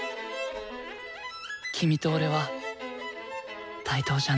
君と俺は対等じゃない。